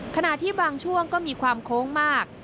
ขณะที่บางช่วงก็มีความโค้งมาก